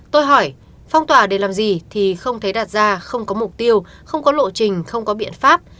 tôi hỏi phong tỏa để làm gì thì không thấy đạt ra không có mục tiêu không có lộ trình không có biện pháp